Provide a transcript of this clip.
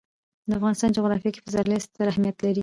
د افغانستان جغرافیه کې پسرلی ستر اهمیت لري.